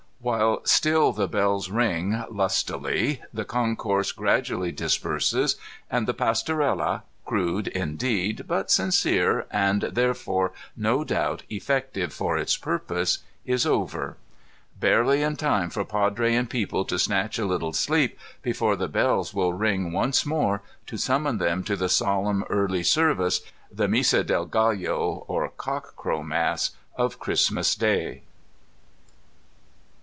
While still the bells ring lustily, the concourse gradually disperses, and the Pastorday crude, indeed, but sincere, and therefore, no doubt, effective for its purpose, is over: — barely in time for Padre and people to snatch a little sleep before the bells will ring once more, to smnmon them to the solemn early service (the Misa dd GaUo, or cock crow mass) , of Christmas Day.